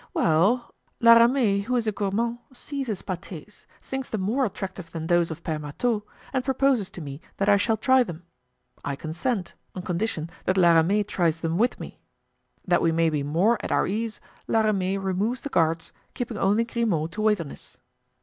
"Well, La Ramee, who is a gourmand, sees his pates, thinks them more attractive than those of Pere Marteau and proposes to me that I shall try them. I consent on condition that La Ramee tries them with me. That we may be more at our ease, La Ramee removes the guards, keeping only Grimaud to wait on us.